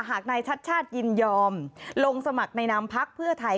หากนายชัดชาติยินยอมลงสมัครในนามพักเพื่อไทย